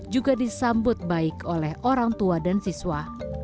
juga disambut baik oleh orang tua dan siswa